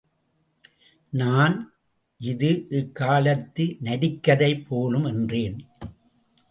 நான்— இது இக் காலத்து நரிக்கதை போலும் என்றேன்.